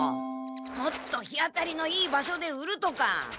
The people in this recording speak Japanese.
もっと日当たりのいい場所で売るとか。